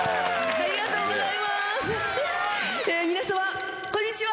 ありがとうございます。